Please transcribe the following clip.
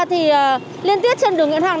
thì liên tiếp trên đường nguyễn hằng